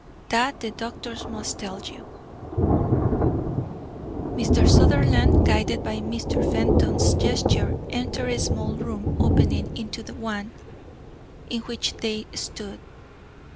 "That the doctors must tell us." Mr. Sutherland, guided by Mr. Fenton's gesture, entered a small room opening into the one in which they stood.